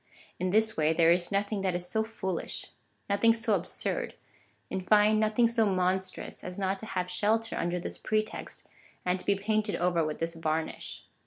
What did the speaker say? In this way there is nothing that is so foolish, nothing so absurd — in fine, nothing so monstrous, as not to liave shelter under this pretext, and to be painted over with this varnish.